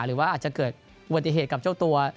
หรือว่าจะเกิดวัตถีเส้นในชั่วตัว